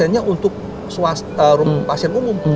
empat puluh nya untuk pasien umum